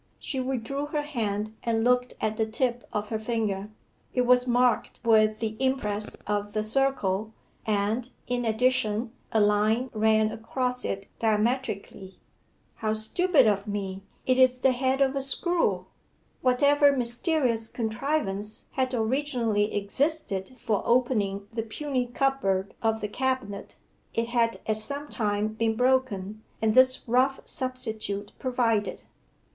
She withdrew her hand and looked at the tip of her finger: it was marked with the impress of the circle, and, in addition, a line ran across it diametrically. 'How stupid of me; it is the head of a screw.' Whatever mysterious contrivance had originally existed for opening the puny cupboard of the cabinet, it had at some time been broken, and this rough substitute provided.